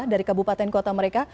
dari kabupaten kota mereka